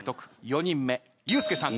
４人目ユースケさん。